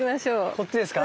こっちですか？